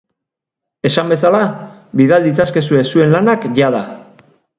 Esan bezala, bidal ditzazkezue zuen lanak jada.